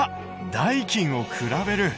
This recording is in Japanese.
「代金を比べる」。